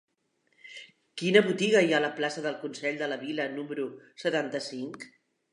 Quina botiga hi ha a la plaça del Consell de la Vila número setanta-cinc?